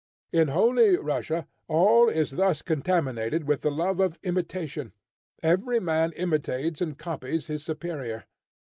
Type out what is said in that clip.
In Holy Russia, all is thus contaminated with the love of imitation; every man imitates and copies his superior.